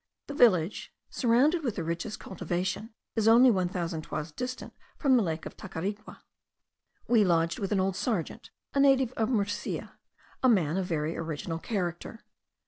The village, surrounded with the richest cultivation, is only a thousand toises distant from the lake of Tacarigua. We lodged with an old sergeant, a native of Murcia, a man of a very original character.